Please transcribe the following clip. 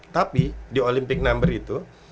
tapi di olympic number itu